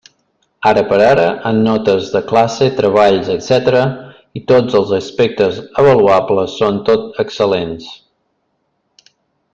Ara per ara, en notes de classe, treballs, etcètera, i tots els aspectes avaluables, són tot excel·lents.